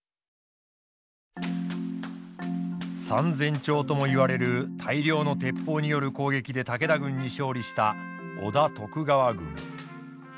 ３，０００丁ともいわれる大量の鉄砲による攻撃で武田軍に勝利した織田・徳川軍。